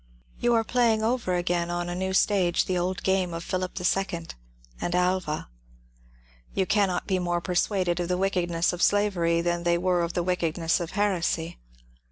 You are playing over again on a new stage the old game of Philip the Second and Alva. You cannot be more persuaded of the wickedness of slavery than they were of the wickedness of heresy.